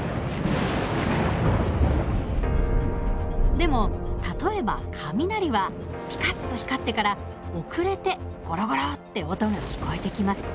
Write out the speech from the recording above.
でも例えば雷はピカッと光ってから遅れてゴロゴロって音が聞こえてきます。